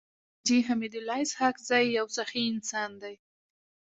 حاجي حميدالله اسحق زی يو سخي انسان دی.